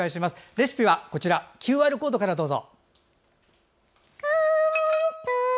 レシピはＱＲコードからどうぞ。